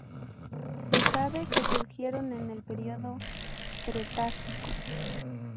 Se sabe que surgieron en el período Cretácico.